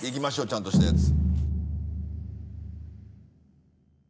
ちゃんとしたやつ。